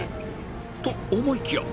と思いきや